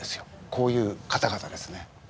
こういう方々ですね。